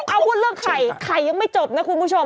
เอาพูดเรื่องไข่ไข่ยังไม่จบนะคุณผู้ชม